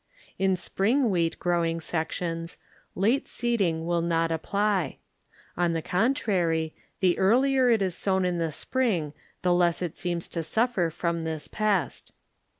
In rpringwheat growing sections, late seeding will not apply; on the contrary, the earlier it is sown in Ihe spring, the less it seems to suffer from this pest.